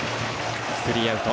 スリーアウト。